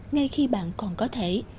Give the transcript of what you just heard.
ngay khi bạn còn có thể